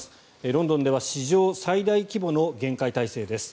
ロンドンでは史上最大規模の厳戒態勢です。